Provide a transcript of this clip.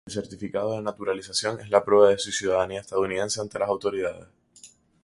El certificado de naturalización es la prueba de su ciudadanía estadounidense ante las autoridades